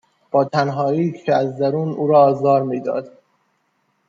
با تنهایی که از درون او را آزار میداد،